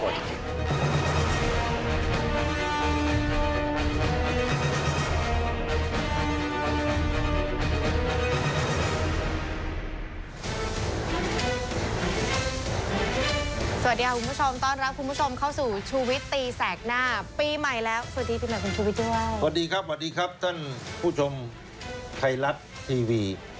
สวัสดีครับสวัสดีครับท่านผู้ชมไทยรักทีวี